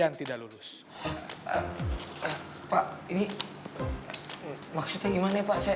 atau lagi di damai udah